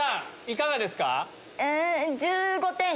いかがですか？